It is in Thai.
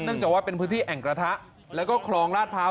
จากว่าเป็นพื้นที่แอ่งกระทะแล้วก็คลองลาดพร้าว